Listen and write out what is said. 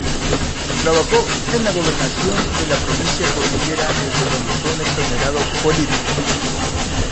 Trabajó en la Gobernación de la provincia Cordillera desde donde fue un exonerado político.